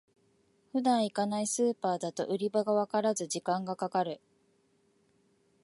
普段行かないスーパーだと売り場がわからず時間がかかる